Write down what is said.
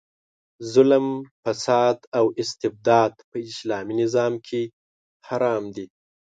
ظلم، فساد او استبداد په اسلامي نظام کې حرام دي.